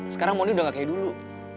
sekarang mony udah gak kayak dulu